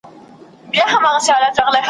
پکي پټ دي داستانونه `